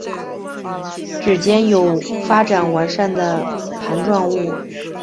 趾尖有发展完善的盘状物。